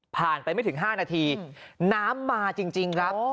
ไปไม่ถึง๕นาทีน้ำมาจริงครับ